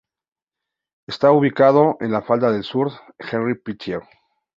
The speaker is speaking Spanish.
Está ubicado en la falda sur del Henri Pittier.